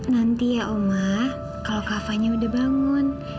nanti ya oma kalau kavanya udah bangun